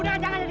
udah hajar aja